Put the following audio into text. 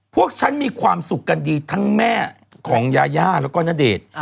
พวกฉันมีความสุขกันดีทั้งแม่ของยาย่าแล้วก็ณเดชน์